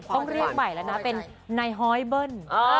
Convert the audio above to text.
ต้องเรียกใหม่แล้วนะเป็นนายฮอยเบิ้ล